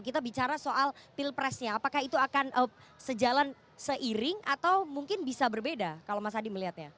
kita bicara soal pilpresnya apakah itu akan sejalan seiring atau mungkin bisa berbeda kalau mas adi melihatnya